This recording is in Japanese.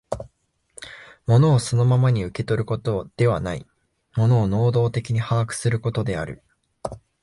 物をそのままに受け取ることではない、物を能働的に把握することである。